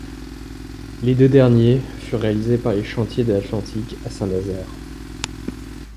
Les deux derniers, furent réalisés par les Chantiers de l'Atlantique à Saint-Nazaire.